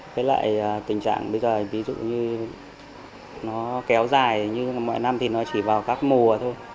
với lại tình trạng bây giờ ví dụ như nó kéo dài như mỗi năm thì nó chỉ vào các mùa thôi